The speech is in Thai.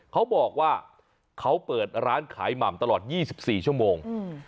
เขาบอกว่าเขาเปิดร้านขายหม่ำตลอด๒๔ชั่วโมง